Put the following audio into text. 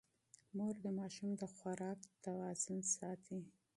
مور د ماشوم د خوراک توازن ساتي.